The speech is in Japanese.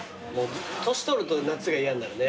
年取ると夏が嫌になるね。